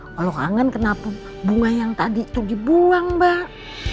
kalau kangen kenapa bunga yang tadi itu dibuang mbak